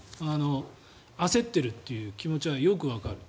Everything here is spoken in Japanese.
焦ってるという気持ちはよくわかる。